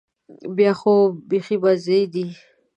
بیا خو بيخي مزې دي.